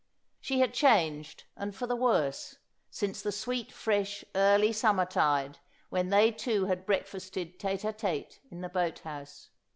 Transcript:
She had changed, and for the worse, since the sweet fresh early summer tide when they two had breakfasted tete a tete, in the boat house.